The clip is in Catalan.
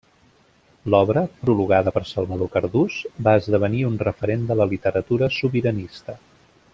L’obra, prologada per Salvador Cardús, va esdevenir un referent de la literatura sobiranista.